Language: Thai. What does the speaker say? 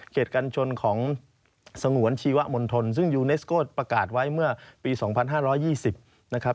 ตกัญชนของสงวนชีวมณฑลซึ่งยูเนสโก้ประกาศไว้เมื่อปี๒๕๒๐นะครับ